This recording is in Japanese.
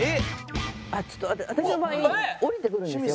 ちょっと私の場合降りてくるんですよ